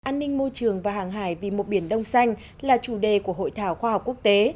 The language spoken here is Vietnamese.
an ninh môi trường và hàng hải vì một biển đông xanh là chủ đề của hội thảo khoa học quốc tế